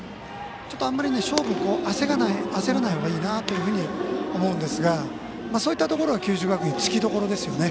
ちょっとあまりに勝負を焦らないほうがいいなと思うんですがそういったところは九州学院、つきどころですね。